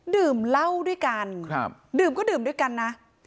ดื่มเหล้าด้วยกันดื่มก็ดื่มด้วยกันนะ